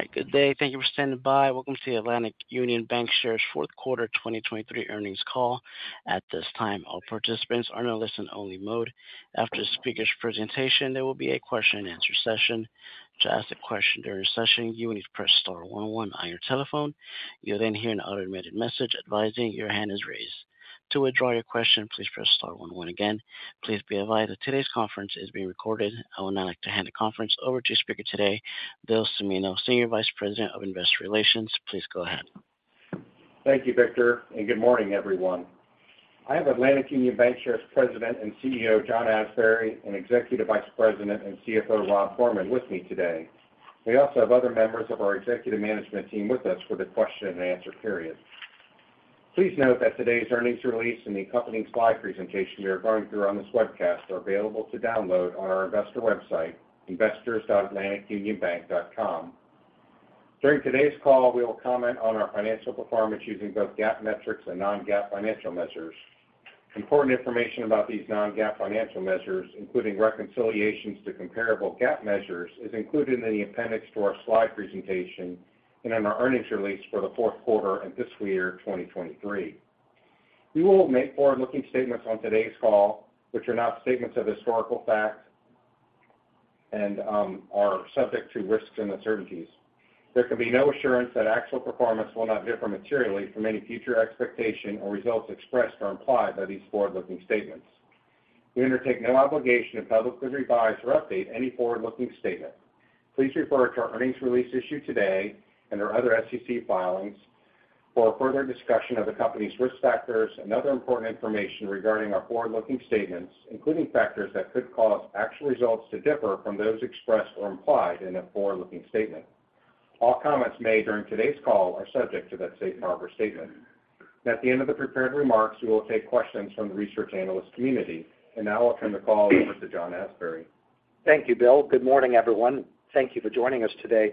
Hi, good day. Thank you for standing by. Welcome to the Atlantic Union Bankshares Q4 2023 Earnings Call. At this time, all participants are in a listen-only mode. After the speaker's presentation, there will be a Q&A session. To ask a question during the session, you will need to press star one one on your telephone. You'll then hear an automated message advising your hand is raised. To withdraw your question, please press star one one again. Please be advised that today's conference is being recorded. I would now like to hand the conference over to speaker today, Bill Cimino, Senior Vice President of Investor Relations. Please go ahead. Thank you, Victor, and good morning, everyone. I have Atlantic Union Bankshares President and CEO, John Asbury, and Executive Vice President and CFO, Rob Gorman, with me today. We also have other members of our executive management team with us for the Q&A period. Please note that today's earnings release and the accompanying slide presentation we are going through on this webcast are available to download on our investor website, investors.atlanticunionbank.com. During today's call, we will comment on our financial performance using both GAAP metrics and non-GAAP financial measures. Important information about these non-GAAP financial measures, including reconciliations to comparable GAAP measures, is included in the appendix to our slide presentation and in our earnings release for the Q4 and fiscal year 2023. We will make forward-looking statements on today's call, which are not statements of historical facts and are subject to risks and uncertainties. There can be no assurance that actual performance will not differ materially from any future expectation or results expressed or implied by these forward-looking statements. We undertake no obligation to publicly revise or update any forward-looking statement. Please refer to our earnings release issued today and our other SEC filings for a further discussion of the company's risk factors and other important information regarding our forward-looking statements, including factors that could cause actual results to differ from those expressed or implied in a forward-looking statement. All comments made during today's call are subject to that safe harbor statement. At the end of the prepared remarks, we will take questions from the research analyst community, and now I'll turn the call over to John Asbury. Thank you, Bill. Good morning, everyone. Thank you for joining us today.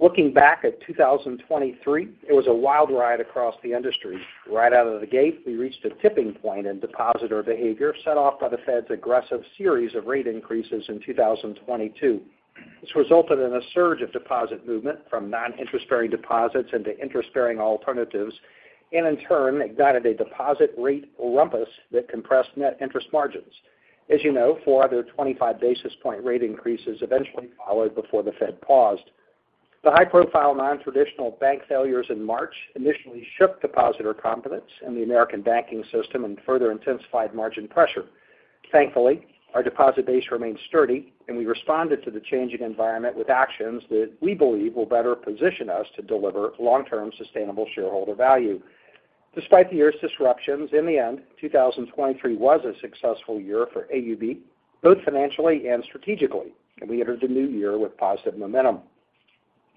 Looking back at 2023, it was a wild ride across the industry. Right out of the gate, we reached a tipping point in depositor behavior, set off by the Fed's aggressive series of rate increases in 2022. This resulted in a surge of deposit movement from non-interest bearing deposits into interest bearing alternatives and in turn, ignited a deposit rate rumpus that compressed net interest margins. As you know, four other 25 basis point rate increases eventually followed before the Fed paused. The high-profile non-traditional bank failures in March initially shook depositor confidence in the American banking system and further intensified margin pressure. Thankfully, our deposit base remained sturdy, and we responded to the changing environment with actions that we believe will better position us to deliver long-term sustainable shareholder value. Despite the year's disruptions, in the end, 2023 was a successful year for AUB, both financially and strategically, and we entered the new year with positive momentum.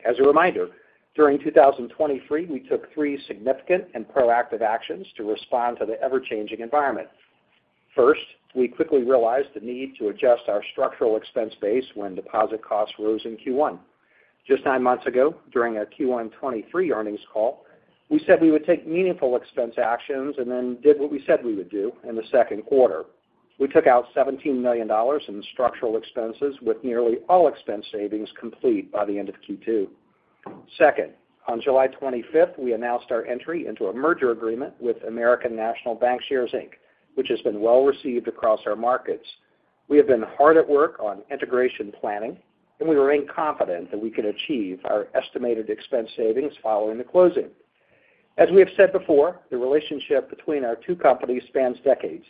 As a reminder, during 2023, we took 3 significant and proactive actions to respond to the ever-changing environment. First, we quickly realized the need to adjust our structural expense base when deposit costs rose in Q1. Just 9 months ago, during our Q1 2023 earnings call, we said we would take meaningful expense actions and then did what we said we would do in the Q2. We took out $17 million in structural expenses, with nearly all expense savings complete by the end of Q2. Second, on July 25, we announced our entry into a merger agreement with American National Bankshares, Inc., which has been well received across our markets. We have been hard at work on integration planning, and we remain confident that we can achieve our estimated expense savings following the closing. As we have said before, the relationship between our two companies spans decades,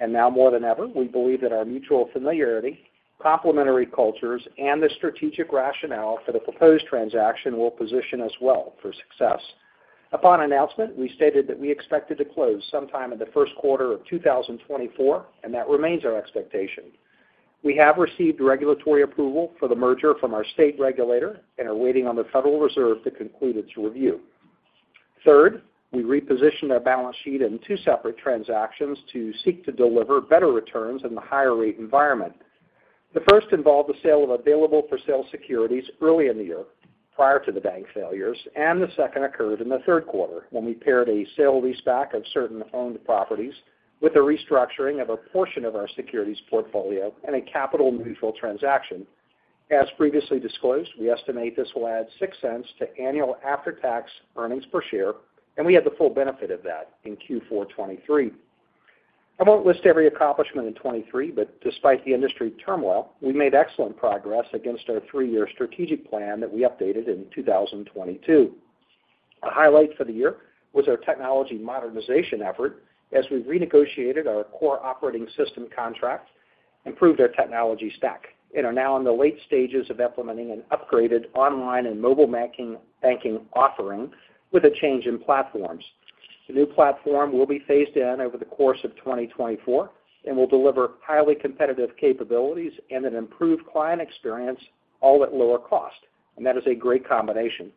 and now more than ever, we believe that our mutual familiarity, complementary cultures, and the strategic rationale for the proposed transaction will position us well for success. Upon announcement, we stated that we expected to close sometime in the Q1 of 2024, and that remains our expectation. We have received regulatory approval for the merger from our state regulator and are waiting on the Federal Reserve to conclude its review. Third, we repositioned our balance sheet in two separate transactions to seek to deliver better returns in the higher rate environment. The first involved the sale of Available-for-Sale securities early in the year, prior to the bank failures, and the second occurred in the Q3, when we paired a sale-leaseback of certain owned properties with a restructuring of a portion of our securities portfolio and a capital-neutral transaction. As previously disclosed, we estimate this will add $0.06 to annual after-tax earnings per share, and we had the full benefit of that in Q4 2023. I won't list every accomplishment in 2023, but despite the industry turmoil, we made excellent progress against our three years strategic plan that we updated in 2022. A highlight for the year was our technology modernization effort, as we renegotiated our core operating system contract, improved our technology stack, and are now in the late stages of implementing an upgraded online and mobile banking offering with a change in platforms. The new platform will be phased in over the course of 2024 and will deliver highly competitive capabilities and an improved client experience, all at lower cost, and that is a great combination.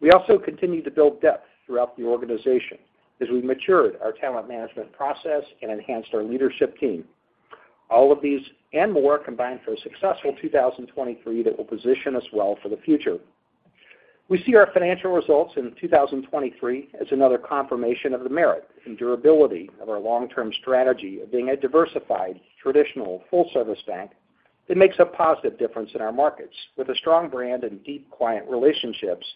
We also continued to build depth throughout the organization as we matured our talent management process and enhanced our leadership team. All of these and more combined for a successful 2023 that will position us well for the future. We see our financial results in 2023 as another confirmation of the merit and durability of our long-term strategy of being a diversified, traditional, full-service bank that makes a positive difference in our markets, with a strong brand and deep client relationships.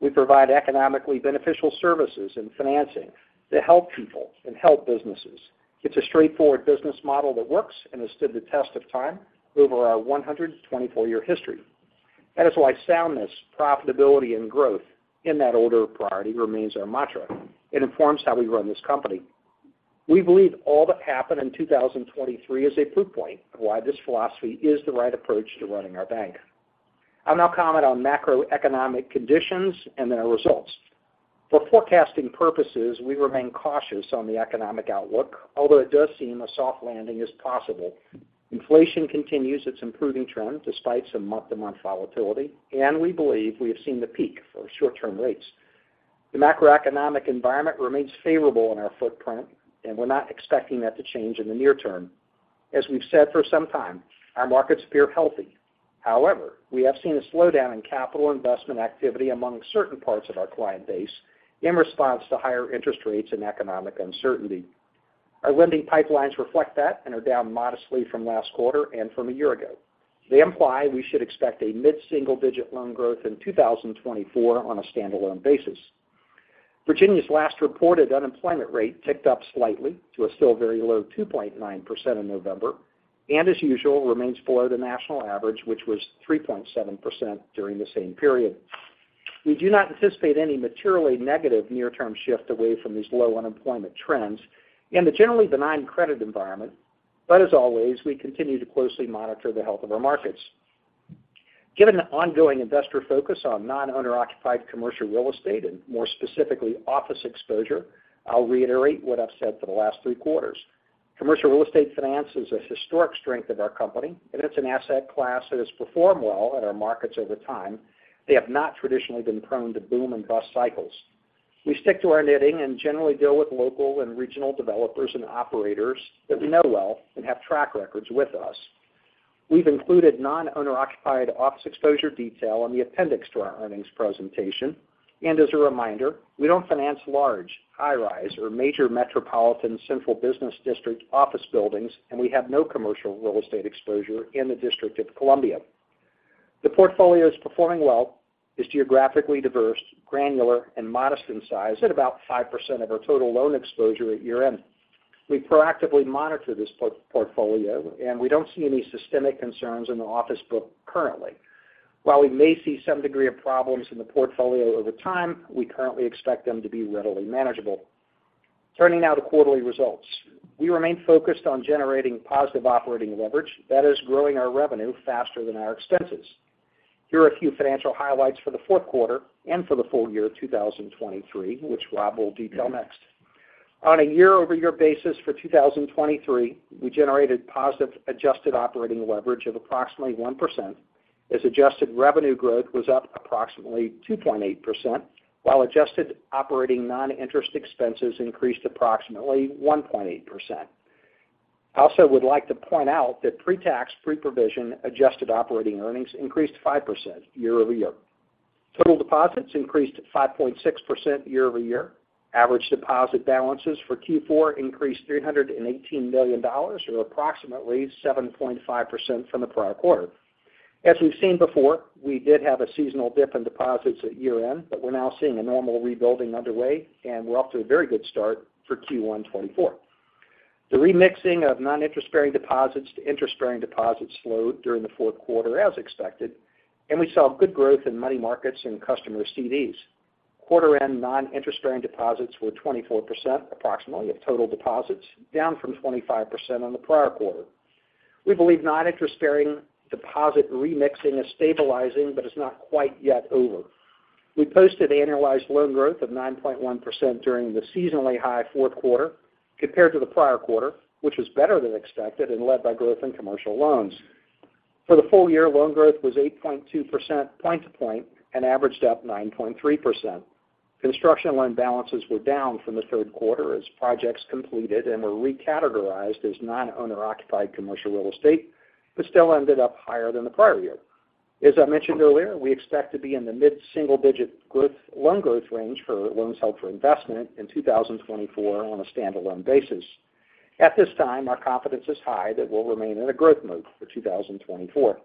We provide economically beneficial services and financing to help people and help businesses. It's a straightforward business model that works and has stood the test of time over our 124-year history. That is why soundness, profitability, and growth in that order of priority remains our mantra. It informs how we run this company. We believe all that happened in 2023 is a proof point of why this philosophy is the right approach to running our bank. I'll now comment on macroeconomic conditions and their results. For forecasting purposes, we remain cautious on the economic outlook, although it does seem a soft landing is possible. Inflation continues its improving trend, despite some month-to-month volatility, and we believe we have seen the peak for short-term rates. The macroeconomic environment remains favorable in our footprint, and we're not expecting that to change in the near term. As we've said for some time, our markets appear healthy. However, we have seen a slowdown in capital investment activity among certain parts of our client base in response to higher interest rates and economic uncertainty. Our lending pipelines reflect that and are down modestly from last quarter and from a year ago. They imply we should expect a mid-single-digit loan growth in 2024 on a standalone basis. Virginia's last reported unemployment rate ticked up slightly to a still very low 2.9% in November, and as usual, remains below the national average, which was 3.7% during the same period. We do not anticipate any materially negative near-term shift away from these low unemployment trends and the generally benign credit environment. But as always, we continue to closely monitor the health of our markets. Given the ongoing investor focus on non-owner-occupied commercial real estate and more specifically, office exposure, I'll reiterate what I've said for the last three quarters. Commercial real estate finance is a historic strength of our company, and it's an asset class that has performed well in our markets over time. They have not traditionally been prone to boom and bust cycles. We stick to our knitting and generally deal with local and regional developers and operators that we know well and have track records with us. We've included non-owner-occupied office exposure detail on the appendix to our earnings presentation. As a reminder, we don't finance large, high-rise, or major metropolitan central business district office buildings, and we have no commercial real estate exposure in the District of Columbia. The portfolio is performing well, is geographically diverse, granular, and modest in size at about 5% of our total loan exposure at year-end. We proactively monitor this portfolio, and we don't see any systemic concerns in the office book currently. While we may see some degree of problems in the portfolio over time, we currently expect them to be readily manageable. Turning now to quarterly results. We remain focused on generating positive operating leverage, that is, growing our revenue faster than our expenses. Here are a few financial highlights for the Q4 and for the full year of 2023, which Rob will detail next. On a year-over-year basis for 2023, we generated positive adjusted operating leverage of approximately 1%, as adjusted revenue growth was up approximately 2.8%, while adjusted operating non-interest expenses increased approximately 1.8%. I also would like to point out that pre-tax, pre-provision adjusted operating earnings increased 5% year-over-year. Total deposits increased 5.6% year-over-year. Average deposit balances for Q4 increased $318 million, or approximately 7.5% from the prior quarter. As we've seen before, we did have a seasonal dip in deposits at year-end, but we're now seeing a normal rebuilding underway, and we're off to a very good start for Q1 2024. The remixing of non-interest-bearing deposits to interest-bearing deposits slowed during the Q4, as expected, and we saw good growth in money markets and customer CDs. Quarter-end non-interest-bearing deposits were 24%, approximately, of total deposits, down from 25% on the prior quarter. We believe non-interest-bearing deposit remixing is stabilizing, but it's not quite yet over. We posted annualized loan growth of 9.1% during the seasonally high Q4 compared to the prior quarter, which was better than expected and led by growth in commercial loans. For the full year, loan growth was 8.2% point to point and averaged up 9.3%. Construction loan balances were down from the Q3 as projects completed and were recategorized as non-owner-occupied commercial real estate, but still ended up higher than the prior year. As I mentioned earlier, we expect to be in the mid-single-digit growth, loan growth range for loans held for investment in 2024 on a standalone basis. At this time, our confidence is high that we'll remain in a growth mode for 2024.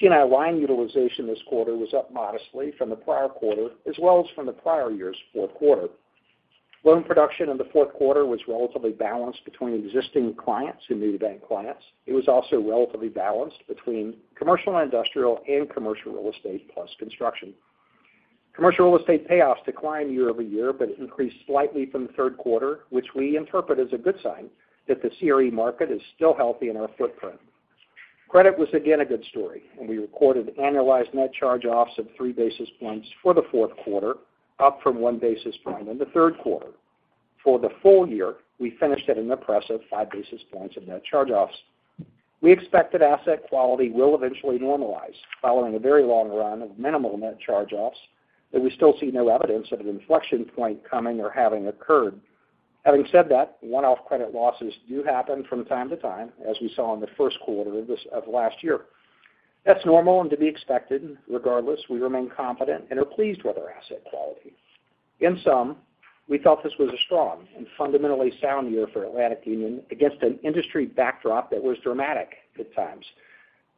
C&I line utilization this quarter was up modestly from the prior quarter, as well as from the prior year's Q4. Loan production in the Q4 was relatively balanced between existing clients and new bank clients. It was also relatively balanced between commercial and industrial and commercial real estate, plus construction. Commercial real estate payoffs declined year-over-year, but increased slightly from the Q3, which we interpret as a good sign that the CRE market is still healthy in our footprint. Credit was again a good story, and we recorded annualized net charge-offs of 3 basis points for the Q4, up from 1 basis point in the Q3. For the full year, we finished at an impressive 5 basis points of net charge-offs. We expect that asset quality will eventually normalize following a very long run of minimal net charge-offs, but we still see no evidence of an inflection point coming or having occurred. Having said that, one-off credit losses do happen from time to time, as we saw in the Q1 of last year. That's normal and to be expected. Regardless, we remain confident and are pleased with our asset quality. In sum, we felt this was a strong and fundamentally sound year for Atlantic Union against an industry backdrop that was dramatic at times.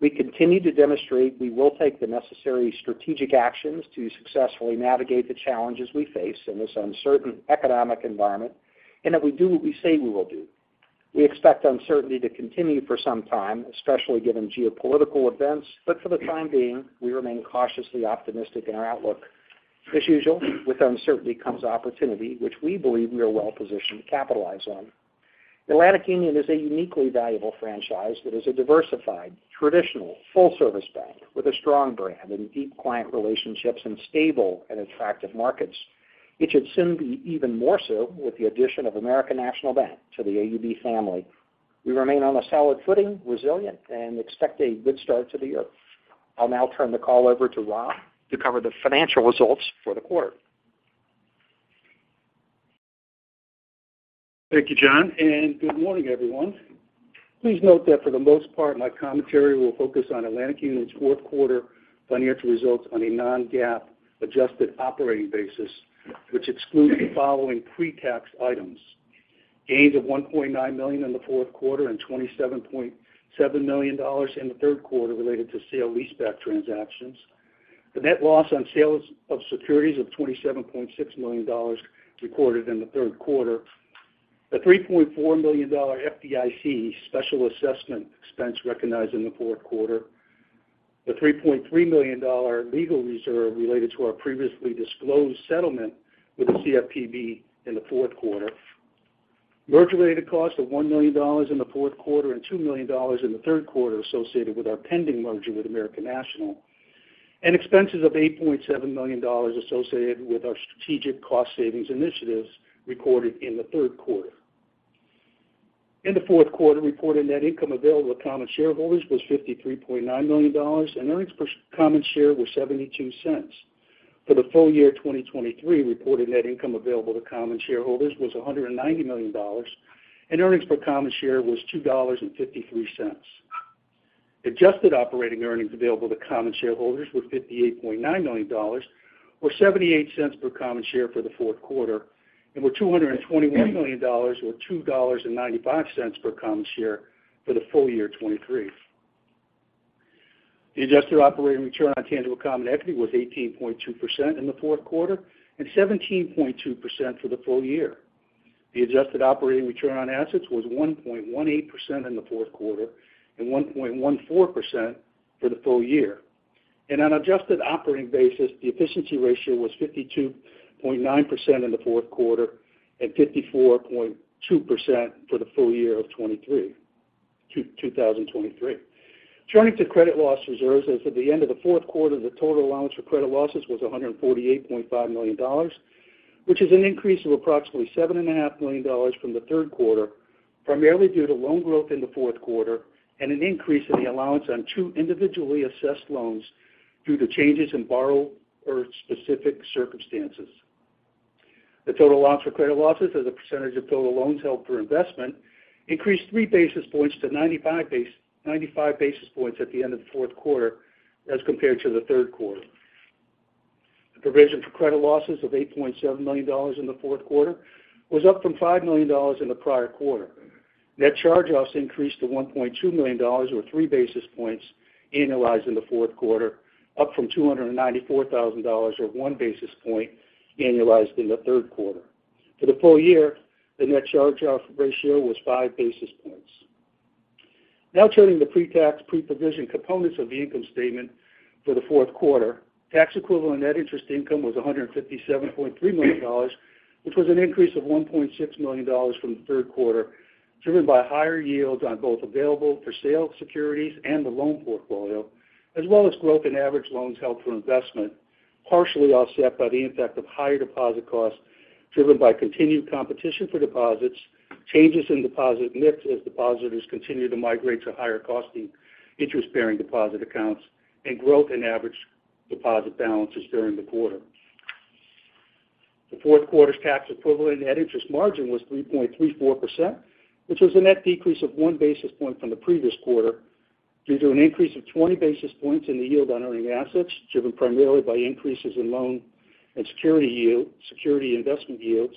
We continue to demonstrate we will take the necessary strategic actions to successfully navigate the challenges we face in this uncertain economic environment, and that we do what we say we will do. We expect uncertainty to continue for some time, especially given geopolitical events, but for the time being, we remain cautiously optimistic in our outlook. As usual, with uncertainty comes opportunity, which we believe we are well-positioned to capitalize on. Atlantic Union is a uniquely valuable franchise that is a diversified, traditional, full-service bank with a strong brand and deep client relationships in stable and attractive markets. It should soon be even more so with the addition of American National Bank to the AUB family. We remain on a solid footing, resilient, and expect a good start to the year. I'll now turn the call over to Rob to cover the financial results for the quarter. Thank you, John, and good morning, everyone. Please note that for the most part, my commentary will focus on Atlantic Union's Q4 financial results on a non-GAAP adjusted operating basis, which excludes the following pre-tax items: gains of $1.9 million in the Q4 and $27.7 million dollars in the Q3 related to sale leaseback transactions, the net loss on sales of securities of $27.6 million dollars recorded in the Q3, the $3.4 million dollar FDIC special assessment expense recognized in the Q4, the $3.3 million dollar legal reserve related to our previously disclosed settlement with the CFPB in the Q4, merger-related costs of $1 million dollars in the Q4. and $2 million dollars in the Q3 associated with our pending merger with American National, and expenses of $8.7 million dollars associated with our strategic cost savings initiatives recorded in the Q3. In the Q4, reported net income available to common shareholders was $53.9 million, and earnings per common share was $0.72. For the full year 2023, reported net income available to common shareholders was $190 million, and earnings per common share was $2.53. Adjusted operating earnings available to common shareholders were $58.9 million, or $0.78 per common share for the Q4, and were $221 million, or $2.95 per common share for the full year 2023. The adjusted operating return on tangible common equity was 18.2% in the Q4 and 17.2% for the full year. The adjusted operating return on assets was 1.18% in the Q4 and 1.14% for the full year. On an adjusted operating basis, the efficiency ratio was 52.9% in the Q4 and 54.2% for the full year of 2023. Turning to credit loss reserves, as at the end of the Q4, the total allowance for credit losses was $148.5 million, which is an increase of approximately $7.5 million from the Q3, primarily due to loan growth in the Q4 and an increase in the allowance on two individually assessed loans due to changes in borrower-specific circumstances. The total allowance for credit losses as a percentage of total loans held for investment increased 3 basis points to 95 basis points at the end of the Q4 as compared to the Q3. The provision for credit losses of $8.7 million in the Q4 was up from $5 million in the prior quarter. Net charge-offs increased to $1.2 million, or 3 basis points annualized in the Q4, up from $294,000, or 1 basis point annualized in the Q3. For the full year, the net charge-off ratio was 5 basis points. Now turning to pre-tax, pre-provision components of the income statement for the Q4. Tax equivalent net interest income was $157.3 million, which was an increase of $1.6 million from the Q3, driven by higher yields on both available-for-sale securities and the loan portfolio, as well as growth in average loans held for investment, partially offset by the impact of higher deposit costs, driven by continued competition for deposits, changes in deposit mix as depositors continue to migrate to higher-costing interest-bearing deposit accounts, and growth in average deposit balances during the quarter. The Q4's tax equivalent net interest margin was 3.34%, which was a net decrease of 1 basis point from the previous quarter due to an increase of 20 basis points in the yield on earning assets, driven primarily by increases in loan and security yield, security investment yields,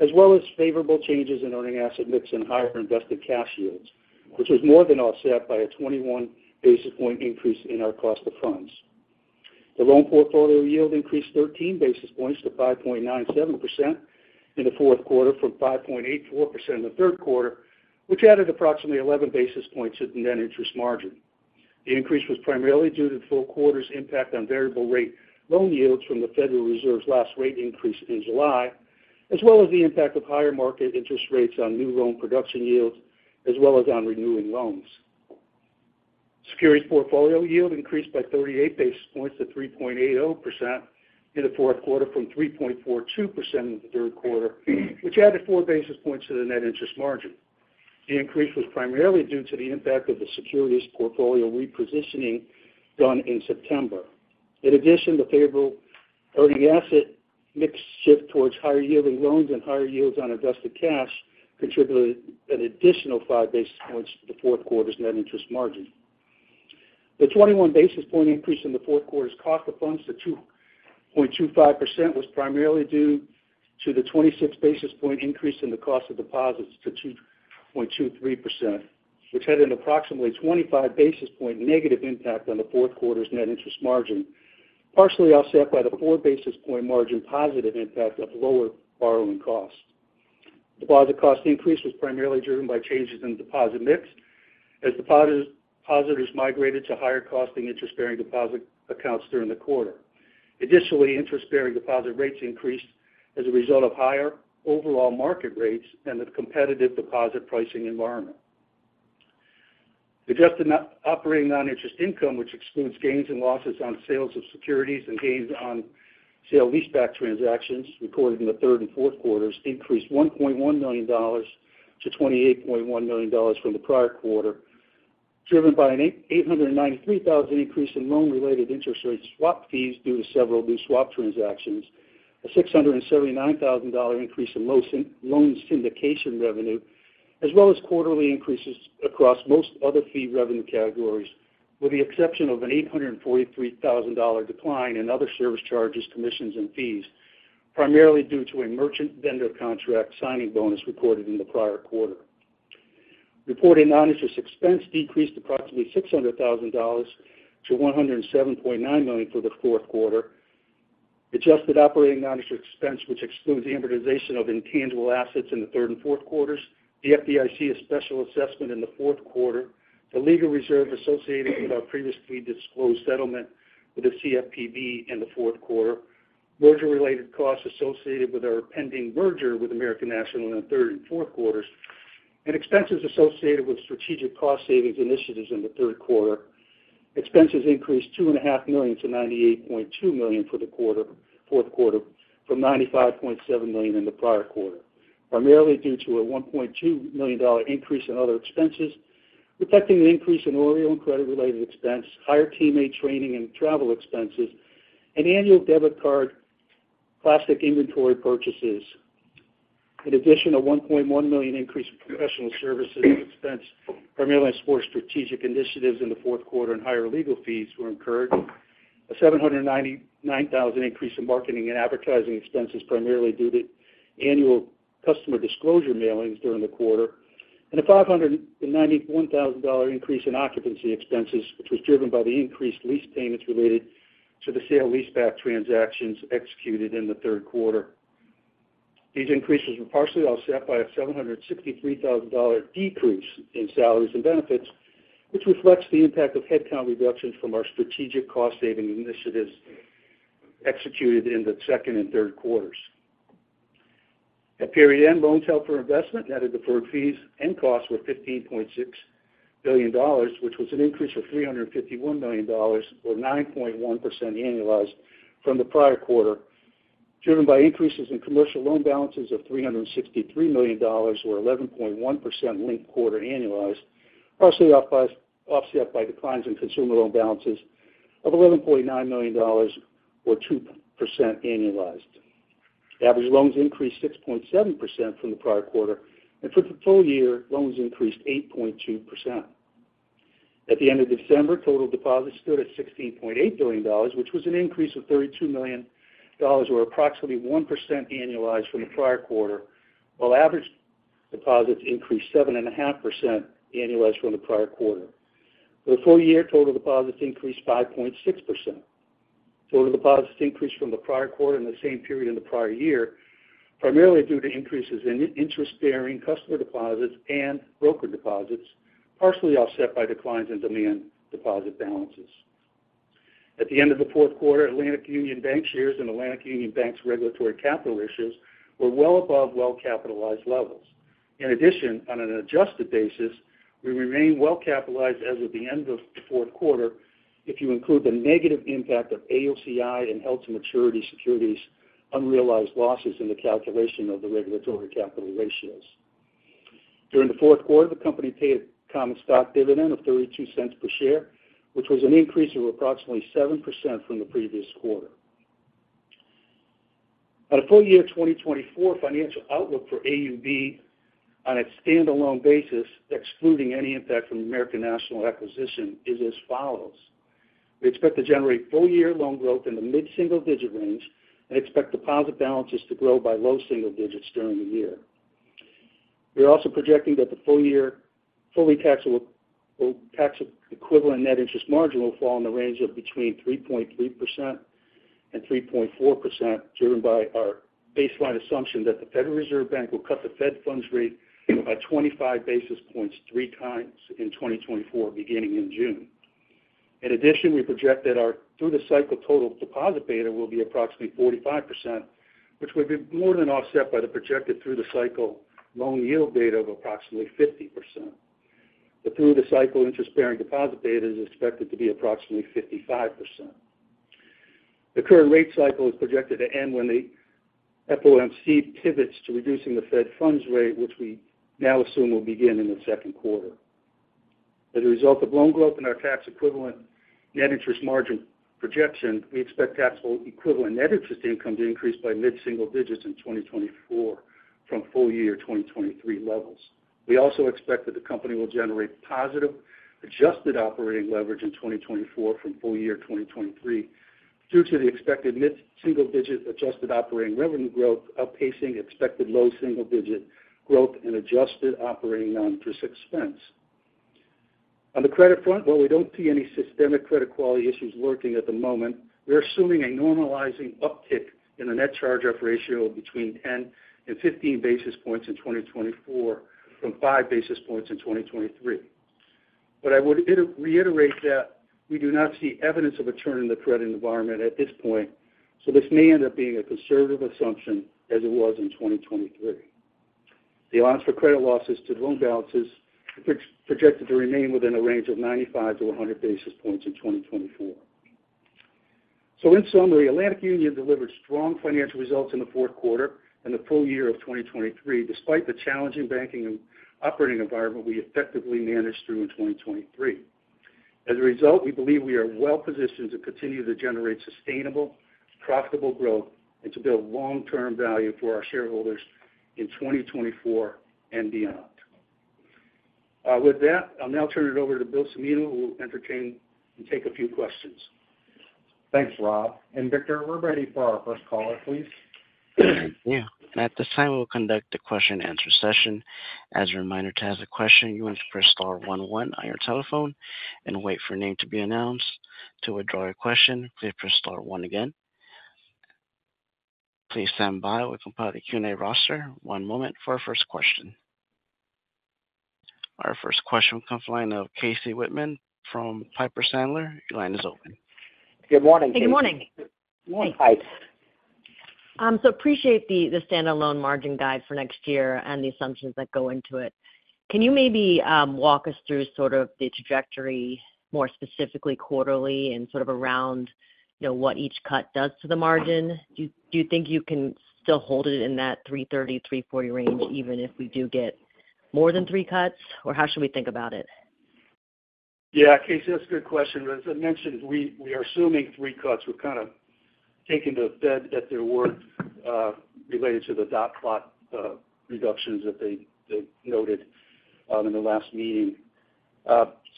as well as favorable changes in earning asset mix and higher invested cash yields, which was more than offset by a 21 basis point increase in our cost of funds. The loan portfolio yield increased 13 basis points to 5.97% in the Q4 from 5.84% in the Q3, which added approximately 11 basis points to the net interest margin. The increase was primarily due to the full quarter's impact on variable rate loan yields from the Federal Reserve's last rate increase in July, as well as the impact of higher market interest rates on new loan production yields, as well as on renewing loans. Securities portfolio yield increased by 38 basis points to 3.80% in the Q4 from 3.42% in the Q3, which added 4 basis points to the net interest margin. The increase was primarily due to the impact of the securities portfolio repositioning done in September. In addition, the favorable earning asset mix shift towards higher-yielding loans and higher yields on adjusted cash contributed an additional 5 basis points to the Q4's net interest margin. The 21 basis point increase in the Q4's cost of funds to 2.25% was primarily due to the 26 basis point increase in the cost of deposits to 2.23%, which had an approximately 25 basis point negative impact on the Q4's net interest margin, partially offset by the 4 basis point margin positive impact of lower borrowing costs. Deposit cost increase was primarily driven by changes in deposit mix, as depositors migrated to higher costing interest-bearing deposit accounts during the quarter. Additionally, interest-bearing deposit rates increased as a result of higher overall market rates and the competitive deposit pricing environment. Adjusted net operating non-interest income, which excludes gains and losses on sales of securities and gains on sale-leaseback transactions recorded in the third and Q4s, increased $1.1 million to $28.1 million from the prior quarter, driven by an $893,000 increase in loan-related interest rate swap fees due to several new swap transactions, a $679,000 increase in loan syndication revenue, as well as quarterly increases across most other fee revenue categories, with the exception of an $843,000 decline in other service charges, commissions, and fees, primarily due to a merchant vendor contract signing bonus recorded in the prior quarter. Reported non-interest expense decreased approximately $600,000 to $107.9 million for the Q4. Adjusted operating non-interest expense, which excludes the amortization of intangible assets in the third and Q4s, the FDIC special assessment in the Q4, the legal reserve associated with our previously disclosed settlement with the CFPB in the Q4, merger-related costs associated with our pending merger with American National in the third and Q4s, and expenses associated with strategic cost savings initiatives in the Q3. Expenses increased $2.5 million to $98.2 million for the quarter, Q4, from $95.7 million in the prior quarter, primarily due to a $1.2 million increase in other expenses, reflecting an increase in OREO and credit-related expense, higher teammate training and travel expenses, and annual debit card plastic inventory purchases. In addition, a $1.1 million increase in professional services expense, primarily for strategic initiatives in the Q4 and higher legal fees were incurred. A $799,000 increase in marketing and advertising expenses, primarily due to annual customer disclosure mailings during the quarter, and a $591,000 increase in occupancy expenses, which was driven by the increased lease payments related to the sale-leaseback transactions executed in the Q3. These increases were partially offset by a $763,000 decrease in salaries and benefits, which reflects the impact of headcount reductions from our strategic cost-saving initiatives executed in the second and Q3s. At period end, loans held for investment, net of deferred fees and costs, were $15.6 billion, which was an increase of $351 million or 9.1% annualized from the prior quarter, driven by increases in commercial loan balances of $363 million or 11.1% linked quarter annualized, partially offset by declines in consumer loan balances of $11.9 million or 2% annualized. Average loans increased 6.7% from the prior quarter, and for the full year, loans increased 8.2%. At the end of December, total deposits stood at $16.8 billion, which was an increase of $32 million, or approximately 1% annualized from the prior quarter, while average deposits increased 7.5% annualized from the prior quarter. For the full year, total deposits increased 5.6%. Total deposits increased from the prior quarter in the same period in the prior year, primarily due to increases in interest-bearing customer deposits and broker deposits, partially offset by declines in demand deposit balances. At the end of the Q4, Atlantic Union Bankshares and Atlantic Union Bank's regulatory capital ratios were well above well-capitalized levels. In addition, on an adjusted basis, we remain well capitalized as of the end of the Q4 if you include the negative impact of AOCI and held-to-maturity securities' unrealized losses in the calculation of the regulatory capital ratios. During the Q4, the company paid a common stock dividend of $0.32 per share, which was an increase of approximately 7% from the previous quarter. Our full-year 2024 financial outlook for AUB on a standalone basis, excluding any impact from the American National acquisition, is as follows: We expect to generate full-year loan growth in the mid-single digit range and expect deposit balances to grow by low single digits during the year. We are also projecting that the full-year fully taxable-equivalent net interest margin will fall in the range of between 3.3% and 3.4%, driven by our baseline assumption that the Federal Reserve Bank will cut the Fed funds rate by 25 basis points 3x in 2024, beginning in June. In addition, we project that our through-the-cycle total deposit beta will be approximately 45%, which would be more than offset by the projected through-the-cycle loan yield beta of approximately 50%. The through-the-cycle interest-bearing deposit beta is expected to be approximately 55%. The current rate cycle is projected to end when the FOMC pivots to reducing the Fed funds rate, which we now assume will begin in the Q2. As a result of loan growth and our tax-equivalent net interest margin projection, we expect taxable equivalent net interest income to increase by mid-single digits in 2024 from full year 2023 levels. We also expect that the company will generate positive adjusted operating leverage in 2024 from full year 2023, due to the expected mid-single digit adjusted operating revenue growth outpacing expected low single digit growth in adjusted operating non-interest expense. On the credit front, while we don't see any systemic credit quality issues lurking at the moment, we are assuming a normalizing uptick in the net charge-off ratio between 10 and 15 basis points in 2024 from 5 basis points in 2023. But I would reiterate that we do not see evidence of a turn in the credit environment at this point, so this may end up being a conservative assumption as it was in 2023. The allowance for credit losses to loan balances is projected to remain within a range of 95-100 basis points in 2024. So in summary, Atlantic Union delivered strong financial results in the Q4 and the full year of 2023. Despite the challenging banking and operating environment we effectively managed through in 2023. As a result, we believe we are well positioned to continue to generate sustainable, profitable growth and to build long-term value for our shareholders in 2024 and beyond. With that, I'll now turn it over to Bill Cimino, who will entertain and take a few questions. Thanks, Rob. Victor, we're ready for our first caller, please. Thank you. At this time, we'll conduct a Q&A session. As a reminder, to ask a question, you want to press star one one on your telephone and wait for your name to be announced. To withdraw your question, please press star one again. Please stand by. We'll compile the Q&A roster. One moment for our first question. Our first question comes from the line of Casey Whitman from Piper Sandler. Your line is open. Good morning, Casey. Good morning. Good morning, guys. So appreciate the standalone margin guide for next year and the assumptions that go into it. Can you maybe walk us through sort of the trajectory, more specifically quarterly and sort of around, you know, what each cut does to the margin? Do you think you can still hold it in that 3.30%-3.40% range, even if we do get more than three cuts? Or how should we think about it? Yeah, Casey, that's a good question. As I mentioned, we are assuming three cuts. We're kind of taking the Fed at their word related to the dot plot reductions that they noted in the last meeting.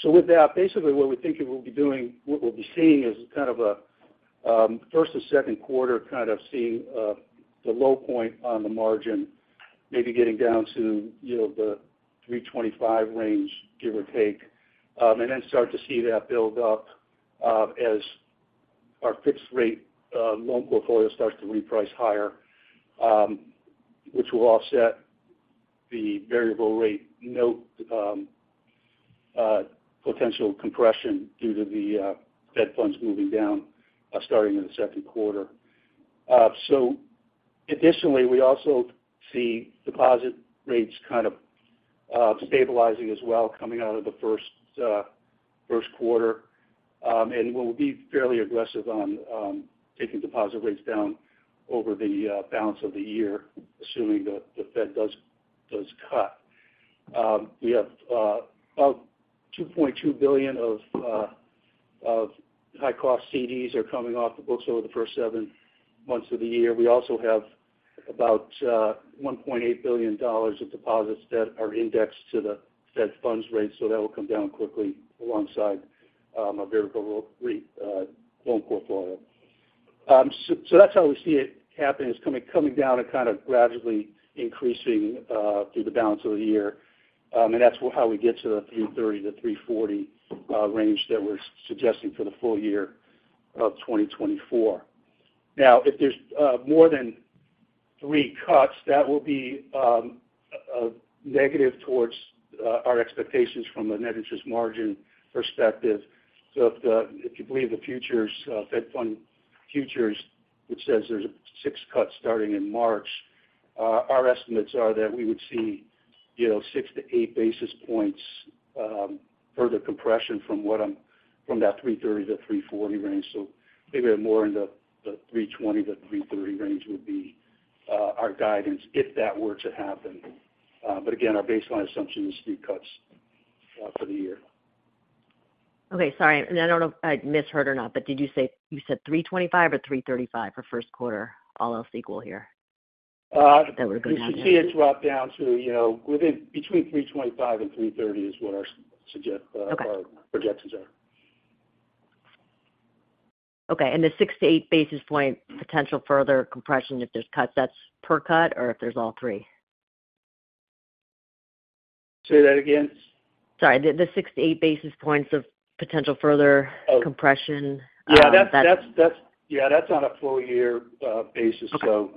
So with that, basically, what we'll be seeing is kind of a first and Q2, kind of seeing the low point on the margin, maybe getting down to, you know, the 3.25 range, give or take. And then start to see that build up as our fixed rate loan portfolio starts to reprice higher, which will offset the variable rate note potential compression due to the Fed funds moving down starting in the Q2. So additionally, we also see deposit rates kind of stabilizing as well coming out of the Q1. And we'll be fairly aggressive on taking deposit rates down over the balance of the year, assuming the Fed does cut. We have about $2.2 billion of high-cost CDs coming off the books over the first seven months of the year. We also have about $1.8 billion of deposits that are indexed to the Fed funds rate, so that will come down quickly alongside a variable rate loan portfolio. So that's how we see it happening, is coming down and kind of gradually increasing through the balance of the year. And that's how we get to the 3.30%-3.40% range that we're suggesting for the full year of 2024. Now, if there's more than three cuts, that will be a negative towards our expectations from a net interest margin perspective. So if you believe the futures, Fed funds futures, which says there's 6 cuts starting in March, our estimates are that we would see, you know, 6-8 basis points further compression from that 3.30%-3.40% range. So maybe more in the 3.20%-3.30% range would be our guidance if that were to happen. But again, our baseline assumption is three cuts for the year. Okay, sorry, I don't know if I misheard or not, but did you say, you said 3.25% or 3.35% for Q1, all else equal here? Uh... That we're going down to... You should see it drop down to, you know, between 3.25% and 3.30% is what our suggest... Okay. Our projections are. Okay. And the 6-8 basis point potential further compression, if there's cuts, that's per cut or if there's all three? Say that again? Sorry, the 6-8 basis points of potential further... Oh. ...compression, um... Yeah, that's on a full year basis. Okay. So,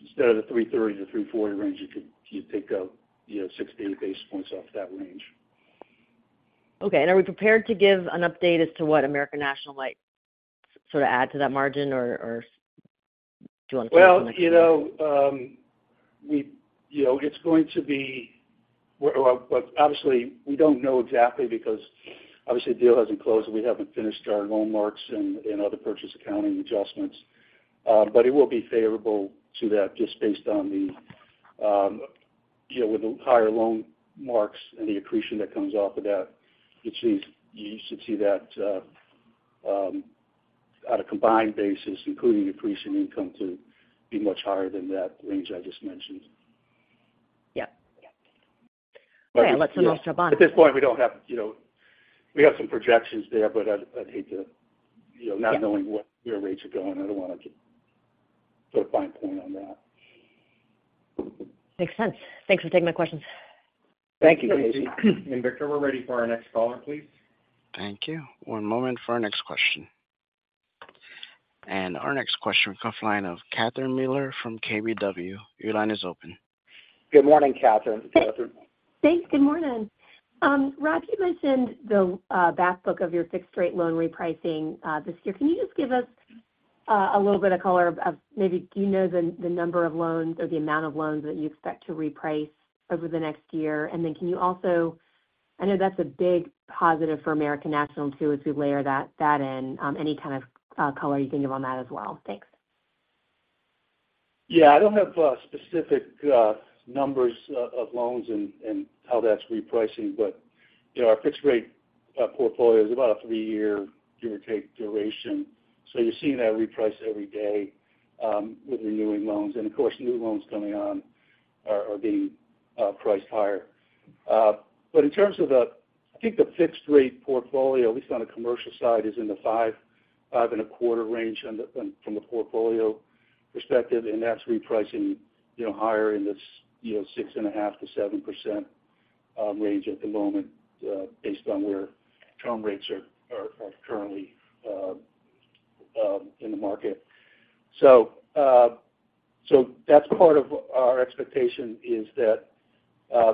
instead of the 3.30%-3.40% range, you could, you take a, you know, 6-8 basis points off that range. Okay. Are we prepared to give an update as to what American National might sort of add to that margin or do you want to... Well, you know, you know, it's going to be, well, obviously, we don't know exactly because, obviously, the deal hasn't closed, and we haven't finished our loan marks and other purchase accounting adjustments. But it will be favorable to that just based on the, you know, with the higher loan marks and the accretion that comes off of that, you see, you should see that on a combined basis, including accretion income, to be much higher than that range I just mentioned. Yep. Okay, let's know about- At this point, we don't have, you know, we have some projections there, but I'd hate to, you know, not knowing where rates are going, I don't want to put a fine point on that. Makes sense. Thanks for taking my questions. Thank you, Casey. Victor, we're ready for our next caller, please. Thank you. One moment for our next question. Our next question comes from the line of Catherine Mealor from KBW. Your line is open. Good morning, Catherine. Thanks. Good morning. Rob, you mentioned the back book of your fixed rate loan repricing this year. Can you just give us a little bit of color of maybe do you know the number of loans or the amount of loans that you expect to reprice over the next year? And then can you also- I know that's a big positive for American National, too, as we layer that in, any kind of color you can give on that as well? Thanks. Yeah. I don't have specific numbers of loans and how that's repricing, but you know, our fixed rate portfolio is about a three years, give or take, duration. So you're seeing that reprice every day with renewing loans. And of course, new loans coming on are being priced higher. But in terms of the, I think the fixed rate portfolio, at least on the commercial side, is in the 5%-5.25% range from the portfolio perspective, and that's repricing, you know, higher in this, you know, 6.5%-7% range at the moment based on where term rates are currently in the market. So that's part of our expectation is that,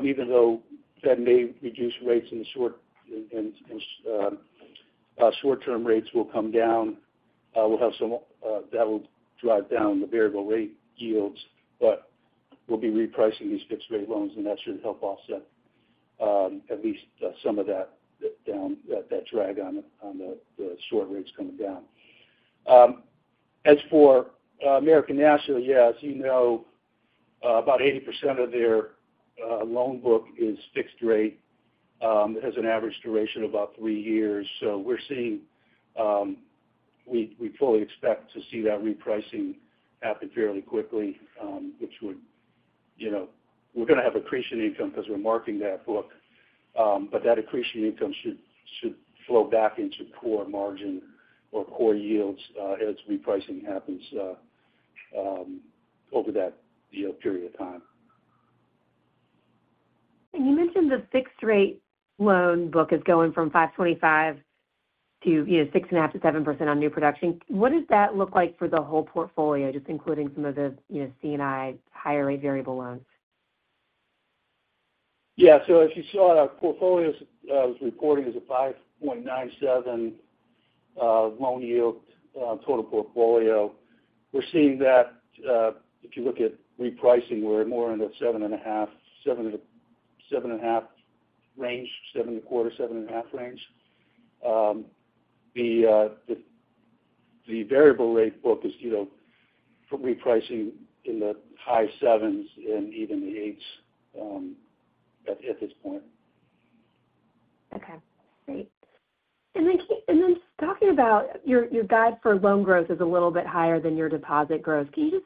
even though that may reduce rates in the short-term rates will come down, we'll have some that will drive down the variable rate yields, but we'll be repricing these fixed rate loans, and that should help offset at least some of that drag on the short rates coming down. As for American National, yeah, as you know, about 80% of their loan book is fixed rate, it has an average duration of about three years. So we're seeing, we fully expect to see that repricing happen fairly quickly, which would, you know, we're going to have accretion income because we're marking that book. But that accretion income should flow back into core margin or core yields, over that, you know, period of time. You mentioned the fixed rate loan book is going from 5.25% to, you know, 6.5%-7% on new production. What does that look like for the whole portfolio, just including some of the, you know, C&I higher rate variable loans? Yeah. So as you saw, our portfolio was reporting as a 5.97% loan yield, total portfolio. We're seeing that, if you look at repricing, we're more in the 7.5 range, 7.25%-7.5% range. The variable rate book is, you know, repricing in the high 7s and even the 8s, at this point. Okay, great. And then talking about your, your guide for loan growth is a little bit higher than your deposit growth. Can you just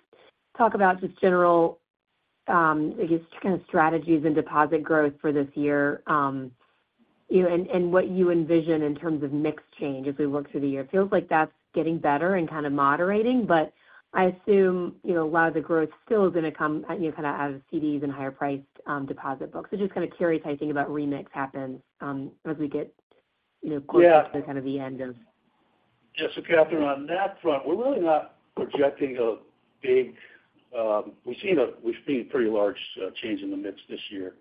talk about just general, I guess, kind of strategies and deposit growth for this year, you know, and, and what you envision in terms of mix change as we work through the year? It feels like that's getting better and kind of moderating, but I assume, you know, a lot of the growth still is going to come, you know, kind of out of CDs and higher priced deposit betas. So just kind of curious how you think about remix happens, as we get, you know- Yeah. closer to kind of the end of. Yeah, so Catherine, on that front, we're really not projecting a big. We've seen a pretty large change in the mix this year.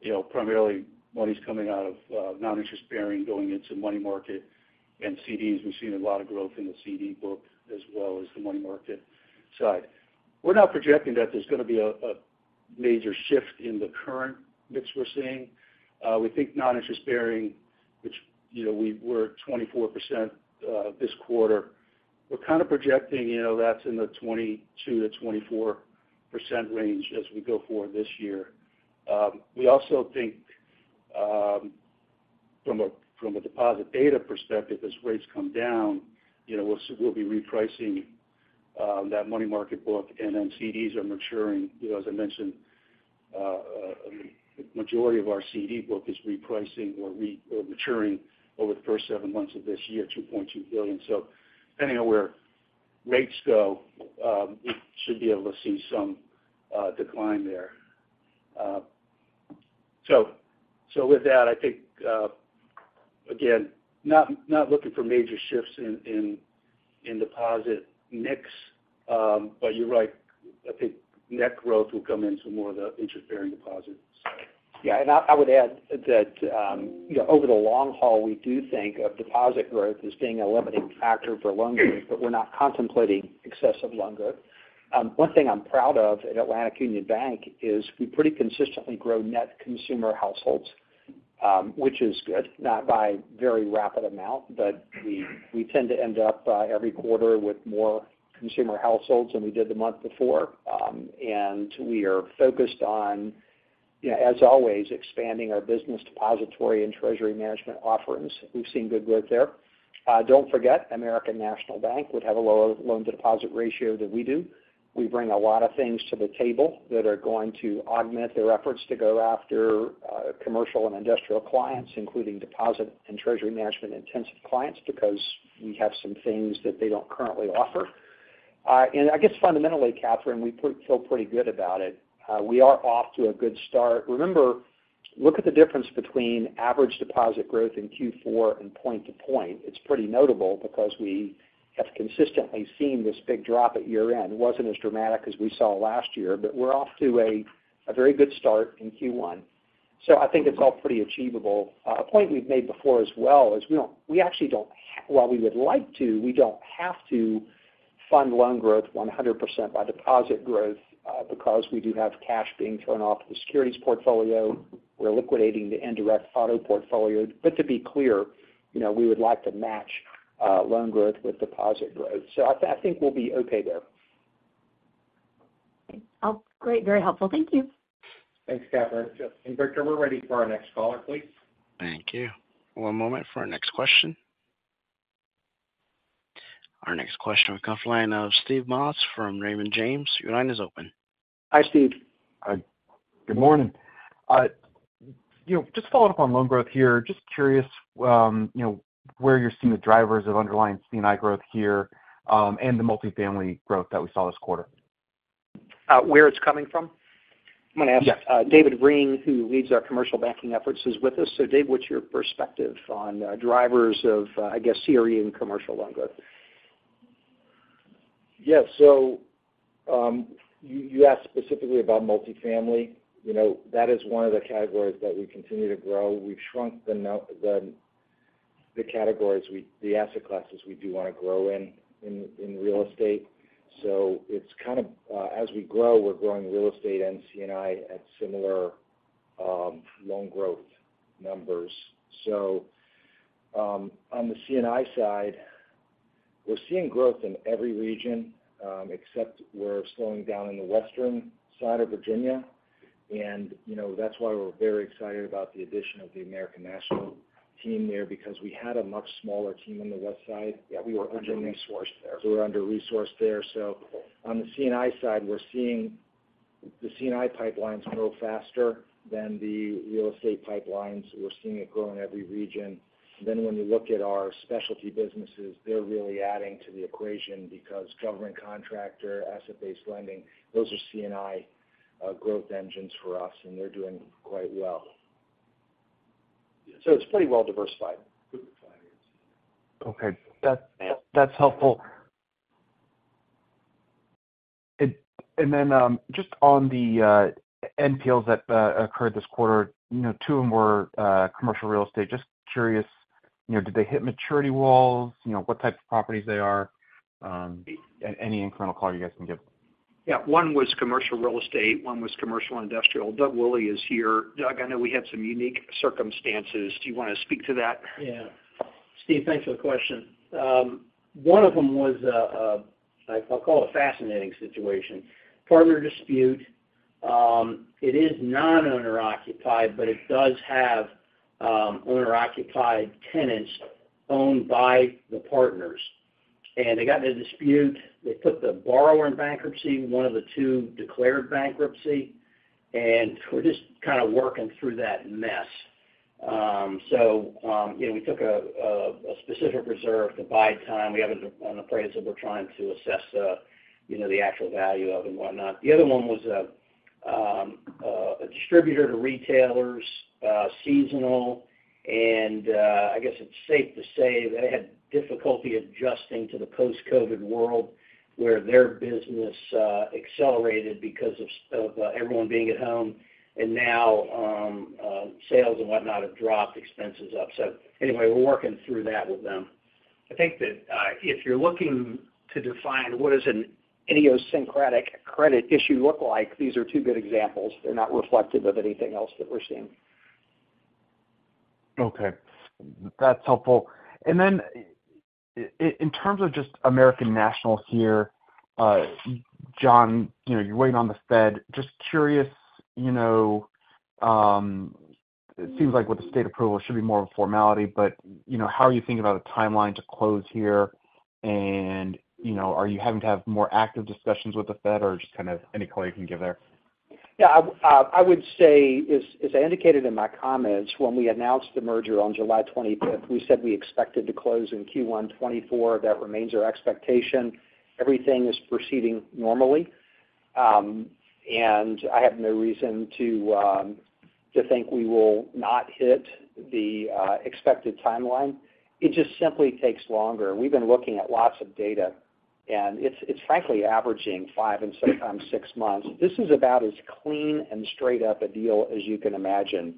You know, primarily money's coming out of non-interest bearing, going into money market and CDs. We've seen a lot of growth in the CD book as well as the money market side. We're not projecting that there's going to be a major shift in the current mix we're seeing. We think non-interest bearing, which, you know, we were 24% this quarter, we're kind of projecting, you know, that's in the 22%-24% range as we go forward this year. We also think, from a deposit beta perspective, as rates come down, you know, we'll be repricing that money market book, and then CDs are maturing. You know, as I mentioned, majority of our CD book is repricing or re- or maturing over the first seven months of this year, $2.2 billion. So depending on where rates go, we should be able to see some decline there. So with that, I think, again, not looking for major shifts in deposit mix. But you're right, I think net growth will come in some more of the interest-bearing deposits. Yeah, and I would add that, you know, over the long haul, we do think of deposit growth as being a limiting factor for loan growth, but we're not contemplating excessive loan growth. One thing I'm proud of at Atlantic Union Bank is we pretty consistently grow net consumer households, which is good, not by very rapid amount, but we tend to end up every quarter with more consumer households than we did the month before. And we are focused on, as always, expanding our business depository and treasury management offerings. We've seen good growth there. Don't forget, American National Bank would have a lower loan-to-deposit ratio than we do. We bring a lot of things to the table that are going to augment their efforts to go after commercial and industrial clients, including deposit and treasury management-intensive clients, because we have some things that they don't currently offer. And I guess fundamentally, Catherine, we feel pretty good about it. We are off to a good start. Remember, look at the difference between average deposit growth in Q4 and point-to-point. It's pretty notable because we have consistently seen this big drop at year-end. It wasn't as dramatic as we saw last year, but we're off to a very good start in Q1. So I think it's all pretty achievable. A point we've made before as well is we don't - we actually don't have to fund loan growth 100% by deposit growth, while we would like to, because we do have cash being thrown off the securities portfolio. We're liquidating the indirect auto portfolio. But to be clear, you know, we would like to match loan growth with deposit growth. So I think we'll be okay there. Okay. Oh, great. Very helpful. Thank you. Thanks, Catherine. And Victor, we're ready for our next caller, please. Thank you. One moment for our next question. Our next question will come from the line of Steve Moss from Raymond James. Your line is open. Hi, Steve. Hi. Good morning. You know, just following up on loan growth here, just curious, you know, where you're seeing the drivers of underlying C&I growth here, and the multifamily growth that we saw this quarter? Where it's coming from? Yes. I'm going to ask David Ring, who leads our commercial banking efforts, is with us. So Dave, what's your perspective on drivers of, I guess, CRE and commercial loan growth? Yes. So, you asked specifically about multifamily. You know, that is one of the categories that we continue to grow. We've shrunk the categories, the asset classes we do want to grow in real estate. So it's kind of, as we grow, we're growing real estate and C&I at similar loan growth numbers. So, on the C&I side, we're seeing growth in every region, except we're slowing down in the western side of Virginia. And, you know, that's why we're very excited about the addition of the American National team there, because we had a much smaller team on the West side. Yeah, we were under-resourced there. We were under-resourced there. So on the C&I side, we're seeing the C&I pipelines grow faster than the real estate pipelines. We're seeing it grow in every region. Then when you look at our specialty businesses, they're really adding to the equation because government contractor, asset-based lending, those are C&I, growth engines for us, and they're doing quite well. It's pretty well diversified. Okay. That's helpful. And then, just on the NPLs that occurred this quarter, you know, two of them were commercial real estate. Just curious, you know, did they hit maturity walls? You know, what type of properties they are, any incremental call you guys can give? Yeah, one was commercial real estate, one was commercial industrial. Doug Willey is here. Doug, I know we had some unique circumstances. Do you want to speak to that? Yeah. Steve, thanks for the question. One of them was, I'll call it a fascinating situation. Partner dispute, it is non-owner-occupied, but it does have owner-occupied tenants owned by the partners. And they got in a dispute. They put the borrower in bankruptcy. One of the two declared bankruptcy, and we're just kind of working through that mess. You know, we took a specific reserve to buy time. We have an appraiser we're trying to assess, you know, the actual value of and whatnot. The other one was a distributor to retailers, seasonal. I guess it's safe to say they had difficulty adjusting to the post-COVID world, where their business accelerated because of everyone being at home, and now sales and whatnot have dropped, expenses up. So anyway, we're working through that with them. I think that, if you're looking to define what does an idiosyncratic credit issue look like, these are two good examples. They're not reflective of anything else that we're seeing. Okay. That's helpful. And then in terms of just American National here, John, you know, you're waiting on the Fed. Just curious, you know, it seems like with the state approval, it should be more of a formality, but, you know, how are you thinking about a timeline to close here? And, you know, are you having to have more active discussions with the Fed, or just kind of any color you can give there? Yeah, I, I would say, as, as I indicated in my comments, when we announced the merger on July 25, we said we expected to close in Q1 2024. That remains our expectation. Everything is proceeding normally. And I have no reason to, to think we will not hit the expected timeline. It just simply takes longer. We've been looking at lots of data, and it's, it's frankly averaging five and sometimes six months. This is about as clean and straight up a deal as you can imagine.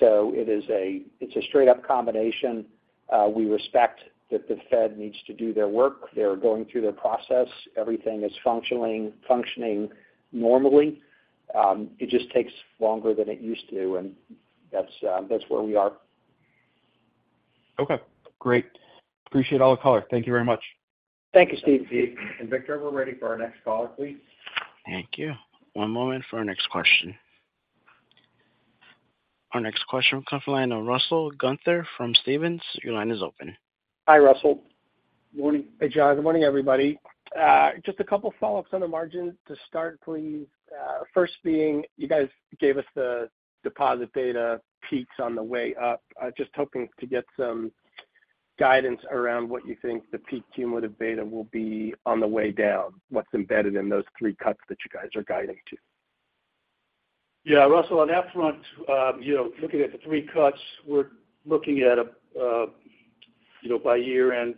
So it is a straight up combination. We respect that the Fed needs to do their work. They're going through their process. Everything is functioning, functioning normally. It just takes longer than it used to, and that's, that's where we are. Okay, great. Appreciate all the color. Thank you very much. Thank you, Steve. Victor, we're ready for our next caller, please. Thank you. One moment for our next question. Our next question comes from the line of Russell Gunther from Stephens. Your line is open. Hi, Russell. Good morning. Hey, John. Good morning, everybody. Just a couple follow-ups on the margin to start, please. First being, you guys gave us the deposit data peaks on the way up. I was just hoping to get some guidance around what you think the peak cumulative beta will be on the way down. What's embedded in those three cuts that you guys are guiding to? Yeah, Russell, on that front, you know, looking at the three cuts, we're looking at a you know, by year-end,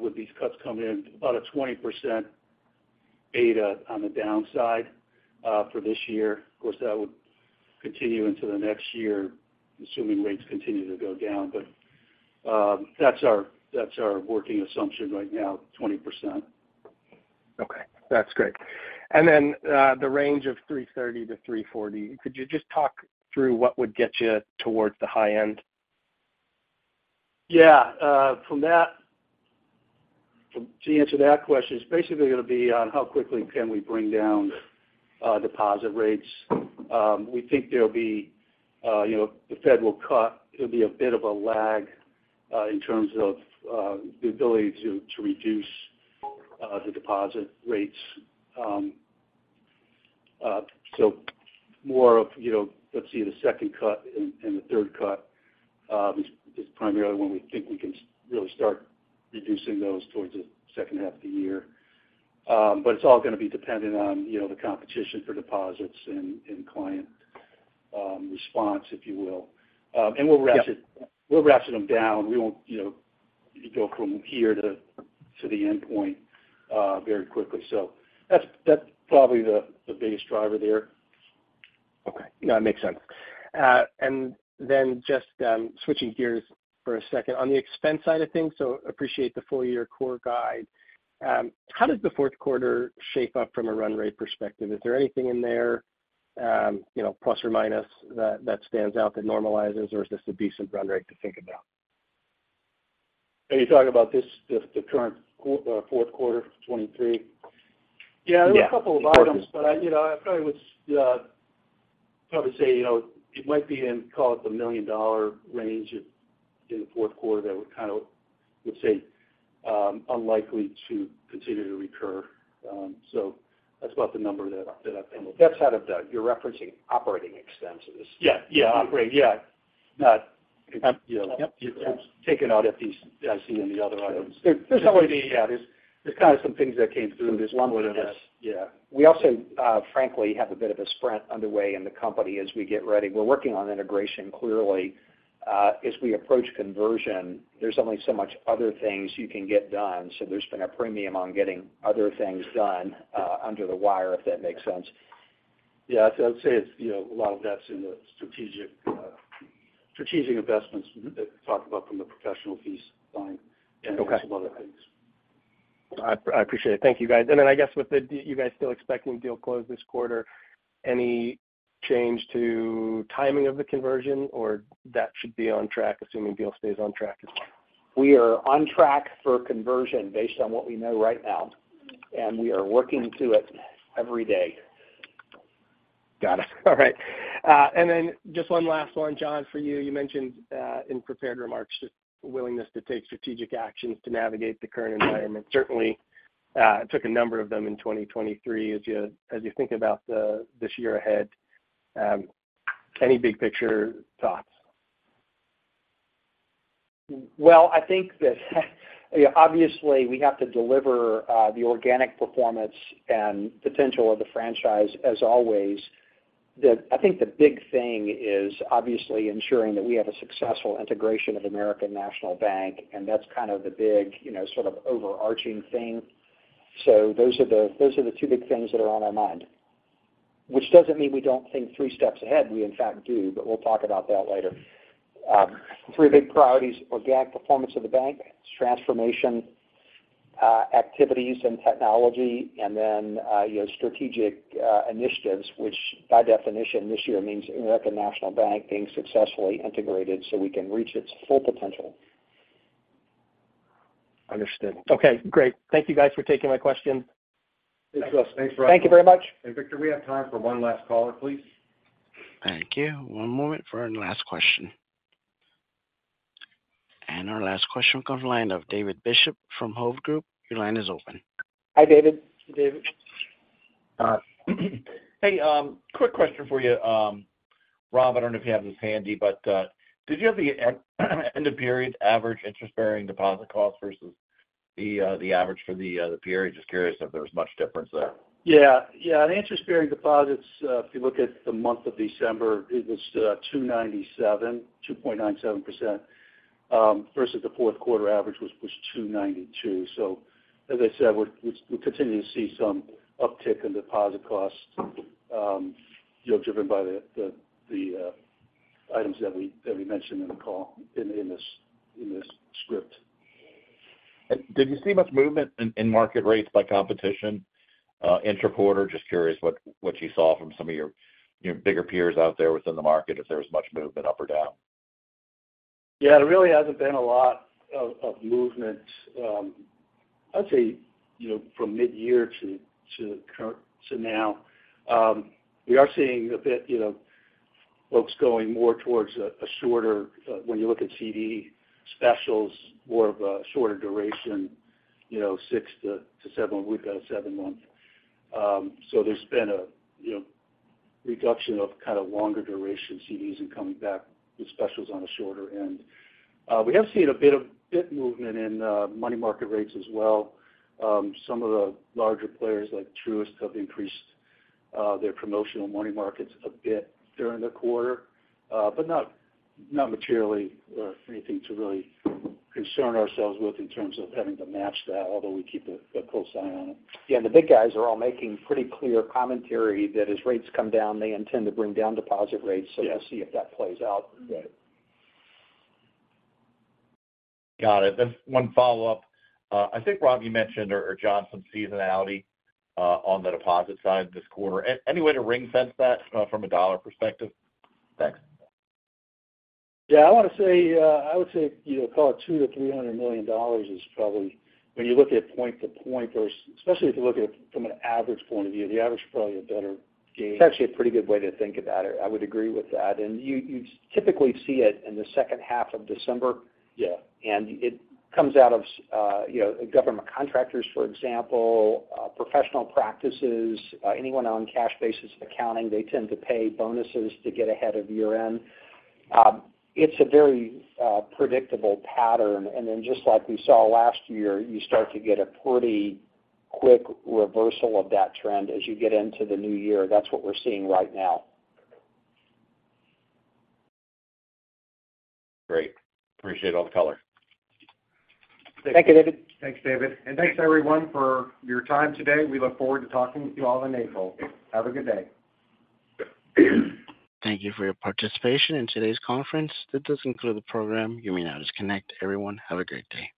with these cuts coming in, about a 20% beta on the downside, for this year. Of course, that would continue into the next year, assuming rates continue to go down. But, that's our, that's our working assumption right now, 20%. Okay, that's great. And then, the range of 3.30%-3.40%, could you just talk through what would get you towards the high end? Yeah, from that to answer that question, it's basically going to be on how quickly can we bring down deposit rates. We think there'll be, you know, the Fed will cut. It'll be a bit of a lag in terms of the ability to reduce the deposit rates. So more of, you know, let's see the second cut and the third cut is primarily when we think we can really start reducing those towards the second half of the year. But it's all going to be dependent on, you know, the competition for deposits and client response, if you will. And we'll ratchet- Yeah. We'll ratchet them down. We won't, you know, go from here to the endpoint very quickly. So that's probably the biggest driver there. Okay. No, it makes sense. And then just switching gears for a second. On the expense side of things, so appreciate the full year core guide. How does the Q4 shape up from a run rate perspective? Is there anything in there, you know, plus or minus, that stands out that normalizes, or is this a decent run rate to think about? Are you talking about this, the current Q4 2023? Yeah. Yeah, there are a couple of items, but I, you know, I probably would probably say, you know, it might be in, call it the $1 million range in the Q4 that would kind of, let's say, unlikely to continue to recur. So that's about the number that I, that I came up. That's out of the - you're referencing operating expenses? Yeah, yeah. Operating, yeah. Not, you know- Yep. Taking out FDIC, as seen in the other items. There's always be. Yeah, there's kind of some things that came through. There's one with this. Yeah. We also, frankly, have a bit of a sprint underway in the company as we get ready. We're working on integration, clearly. As we approach conversion, there's only so much other things you can get done, so there's been a premium on getting other things done, under the wire, if that makes sense. Yeah, I'd say it's, you know, a lot of that's in the strategic investments that we talked about from the professional fees line. Okay. And some other things. I appreciate it. Thank you, guys. And then I guess with the, you guys still expecting deal close this quarter, any change to timing of the conversion, or that should be on track, assuming deal stays on track as well? We are on track for conversion based on what we know right now, and we are working to it every day. Got it. All right. And then just one last one, John, for you. You mentioned in prepared remarks just willingness to take strategic actions to navigate the current environment. Certainly took a number of them in 2023. As you think about this year ahead, any big picture thoughts? Well, I think that, obviously, we have to deliver, the organic performance and potential of the franchise, as always. I think the big thing is obviously ensuring that we have a successful integration of American National Bank, and that's kind of the big, you know, sort of overarching thing. So those are the, those are the two big things that are on our mind. Which doesn't mean we don't think three steps ahead. We in fact do, but we'll talk about that later. Three big priorities: organic performance of the bank, transformation, activities and technology, and then, you know, strategic, initiatives, which by definition this year means American National Bank being successfully integrated so we can reach its full potential. Understood. Okay, great. Thank you guys for taking my question. Thanks, Russell. Thank you very much. Hey, Victor, we have time for one last caller, please. Thank you. One moment for our last question. Our last question comes from the line of David Bishop from Hovde Group. Your line is open. Hi, David. Hey, quick question for you. Rob, I don't know if you have this handy, but, did you have the end-of-period average interest-bearing deposit cost versus the average for the period? Just curious if there was much difference there. Yeah, the interest-bearing deposits, if you look at the month of December, it was 2.97% versus the Q4 average, which was 2.92%. So as I said, we continue to see some uptick in deposit costs, you know, driven by the items that we mentioned in the call, in this script. Did you see much movement in market rates by competition, intra-quarter? Just curious what you saw from some of your bigger peers out there within the market, if there was much movement up or down. Yeah, there really hasn't been a lot of movement. I'd say, you know, from midyear to now. We are seeing a bit, you know, folks going more towards a shorter, when you look at CD specials, more of a shorter duration, you know, six to seven. We've got a seven months. So there's been a, you know, reduction of kind of longer duration CDs and coming back with specials on the shorter end. We have seen a bit of movement in money market rates as well. Some of the larger players, like Truist, have increased their promotional money markets a bit during the quarter, but not materially, anything to really concern ourselves with in terms of having to match that, although we keep a close eye on it. Yeah, the big guys are all making pretty clear commentary that as rates come down, they intend to bring down deposit rates. Yeah. We'll see if that plays out. Right. Got it. Then one follow-up. I think, Rob, you mentioned, or John, some seasonality, on the deposit side this quarter. Any way to ring fence that, from a dollar perspective? Thanks. Yeah, I want to say, I would say, you know, call it $200 million-$300 million is probably when you look at point-to-point, there's. Especially if you look at it from an average point of view, the average is probably a better gauge. It's actually a pretty good way to think about it. I would agree with that. You typically see it in the second half of December. Yeah. And it comes out of, you know, government contractors, for example, professional practices, anyone on cash basis accounting. They tend to pay bonuses to get ahead of year-end. It's a very predictable pattern. And then just like we saw last year, you start to get a pretty quick reversal of that trend as you get into the new year. That's what we're seeing right now. Great. Appreciate all the color. Thank you, David. Thanks, David. Thanks, everyone, for your time today. We look forward to talking with you all in April. Have a good day. Thank you for your participation in today's conference. This does conclude the program. You may now disconnect. Everyone, have a great day.